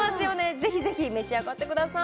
ぜひぜひ召し上がってください